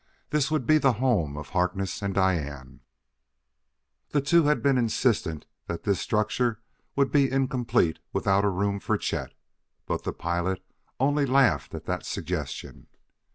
This would be the home of Harkness and Diane. The two had been insistent that this structure would be incomplete without a room for Chet, but the pilot only laughed at that suggestion.